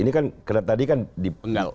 ini kan karena tadi kan dipenggal